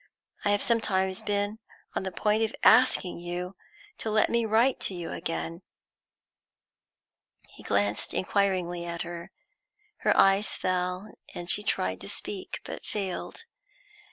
I have sometimes been on the point of asking you to let me write to you again." He glanced inquiringly at her. Her eyes fell, and she tried to speak, but failed.